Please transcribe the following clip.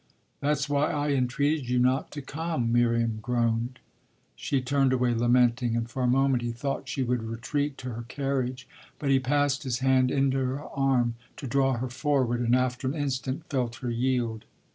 That's why I entreated you not to come!" Miriam groaned. She turned away lamenting, and for a moment he thought she would retreat to her carriage. But he passed his hand into her arm, to draw her forward, and after an instant felt her yield.